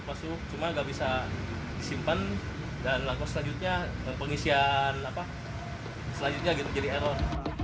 tidak sempat masuk cuma tidak bisa disimpan dan langkah selanjutnya pengisian selanjutnya jadi error